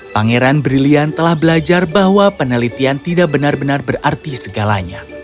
pangeran brilian telah belajar bahwa penelitian tidak benar benar berarti segalanya